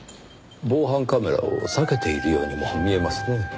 防犯カメラを避けているようにも見えますね。